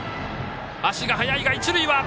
足が速いが一塁は。